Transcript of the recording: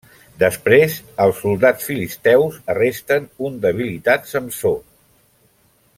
Després, els soldats filisteus arresten un debilitat Samsó.